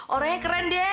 orangnya keren deh